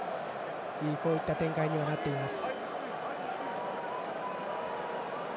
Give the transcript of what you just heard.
こういった展開になっています。